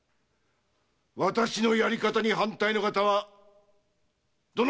私のやり方に反対の方はどなたです？